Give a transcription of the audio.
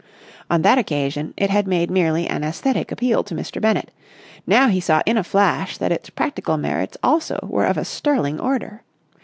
On that occasion, it had made merely an aesthetic appeal to Mr. Bennett; now he saw in a flash that its practical merits also were of a sterling order.